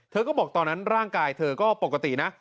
เธอก็บอกตอนนั้นร่างกายเธอก็ปกตินะ